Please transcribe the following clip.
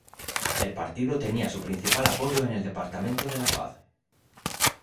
El partido tenía su principal apoyo en el Departamento de La Paz.